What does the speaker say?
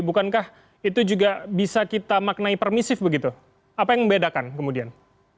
bukankah itu juga bisa kita maknai permisif begitu apa yang membedakan kemudian